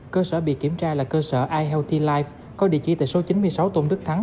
cơ sở bị kiểm tra là cơ sở ihalty life có địa chỉ tại số chín mươi sáu tôn đức thắng